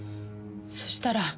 そしたら。